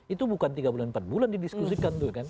itu bukan tiga bulan empat bulan didiskusikan tuh kan